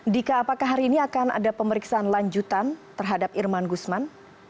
dika apakah hari ini akan ada pemeriksaan lanjutan terhadap irman gusman